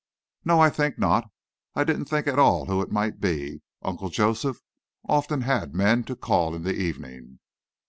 "No; I think not. I didn't think at all who it might be. Uncle Joseph often had men to call in the evening."